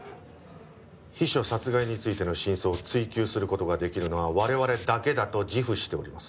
秘書殺害についての真相を追及する事ができるのは我々だけだと自負しております。